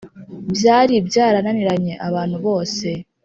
byali byarananiranye abantu bose